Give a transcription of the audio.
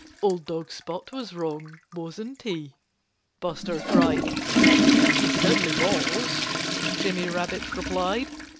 "Old dog Spot was wrong, wasn't he?" Buster cried. "He certainly was," Jimmy Rabbit replied.